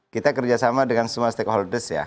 kita kerjasama dengan semua stakeholders ya